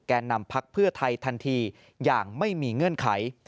นำพักเพื่อไทยทันทีอย่างไม่มีเงื่อนไข